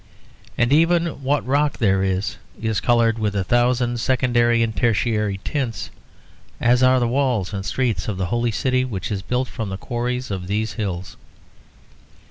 And even what rock there is is coloured with a thousand secondary and tertiary tints, as are the walls and streets of the Holy City which is built from the quarries of these hills.